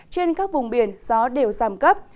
trên các vùng biển gió đều giảm cấp